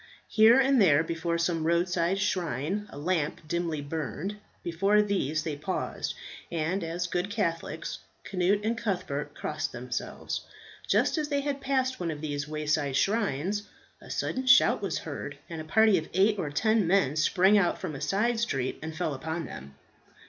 Here and there before some roadside shrine a lamp dimly burned; before these they paused, and, as good Catholics, Cnut and Cuthbert crossed themselves. Just as they had passed one of these wayside shrines, a sudden shout was heard, and a party of eight or ten men sprang out from a side street and fell upon them.